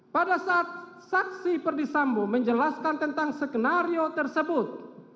pada saat saksi perdisambo menjelaskan tentang skenario tersebut